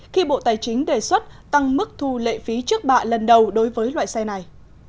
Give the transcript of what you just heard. khi bộ tài chính đề xuất tăng mức thu lệ phí trước bạ lần đầu đối với loại xe này